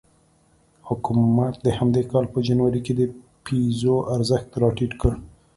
حکومت د همدې کال په جنوري کې د پیزو ارزښت راټیټ کړ.